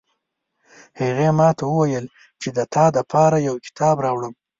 هغې ماته وویل چې د تا د پاره یو کتاب راوړم